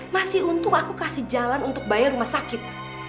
masih untung aku kasih jalan untuk bayar rumah sakit